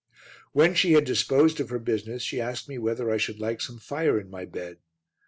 When she had disposed of her business she asked whether I should like some fire in my bed.